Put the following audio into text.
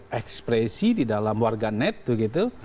terekspresi di dalam warga net gitu